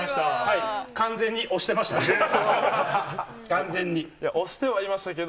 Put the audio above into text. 完全に完全に押してましたね。